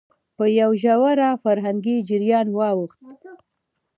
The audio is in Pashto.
په يوه ژور فرهنګي جريان واوښت،